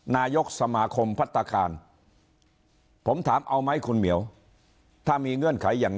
นายกสมาคมพัฒนาคาร